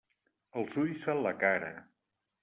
Els ulls fan la cara.